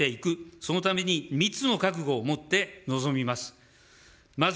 そのために３つの覚悟を持って臨みます。